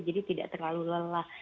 jadi tidak terlalu lelah